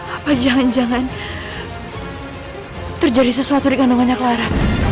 apa jangan jangan terjadi sesuatu di kandungannya clara